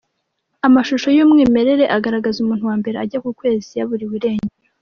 Amashusho y’umwimerere agaragaza umuntu wa mbere ajya kukwezi yaburiwe irengero.